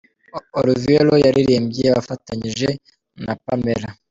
Olivier Roy yaririmbye afatanyije na Pamela.